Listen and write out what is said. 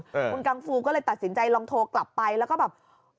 คุณกังฟูก็เลยตัดสินใจลองโทรกลับไปแล้วก็แบบ